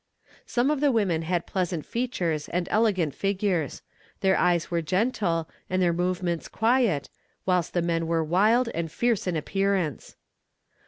Some of the women had pleasant features and elegant figures; their eyes were gentle, and their movements quiet, whilst the men were wild and fierce in appearance.